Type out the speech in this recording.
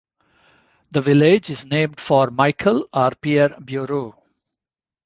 The village is named for Michel or Pierre Bureau.